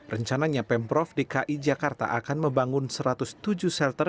rencananya pemprov dki jakarta akan membangun satu ratus tujuh shelter